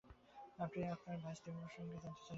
আপনি আমার ভাইস্তি প্রসঙ্গে জানিতে চাহিয়াছেন।